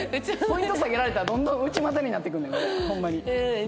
ポイント下げられたらどんどん内股になってくんねんホンマに。